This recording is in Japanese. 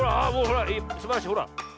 あすばらしいほら。